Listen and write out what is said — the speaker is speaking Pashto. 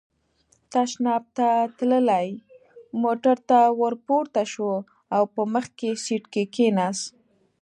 تشناب ته تللی، موټر ته ور پورته شو او په مخکې سېټ کې کېناست.